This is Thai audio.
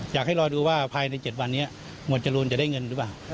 อยากให้รอดูว่าภายใน๗วันนี้หมวดจรูนจะได้เงินหรือเปล่า